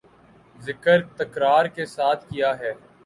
ذکر تکرار کے ساتھ کیا ہے